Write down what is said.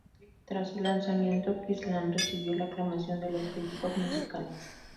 Tras su lanzamiento, ""Kiss Land"" recibió la aclamación de los críticos musicales.